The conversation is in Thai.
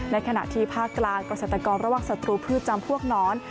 ในขณะที่ภาคกลางเกษตรกรระหว่างสัตว์ตรูจำพวกน้อน